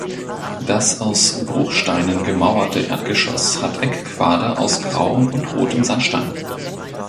Das aus Bruchsteinen gemauerte Erdgeschoss hat Eckquader aus grauem und rotem Sandstein.